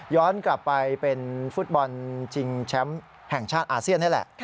กลับไปเป็นฟุตบอลชิงแชมป์แห่งชาติอาเซียนนี่แหละ